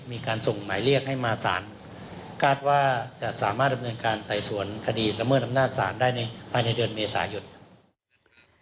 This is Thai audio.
มีการส่งหมายเรียกให้มาสารคาดว่าจะสามารถดำเนินการไต่สวนคดีละเมิดอำนาจศาลได้ภายในเดือนเมษายนครับ